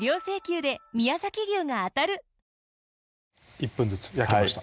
１分ずつ焼けました